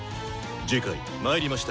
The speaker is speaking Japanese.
次回「魔入りました！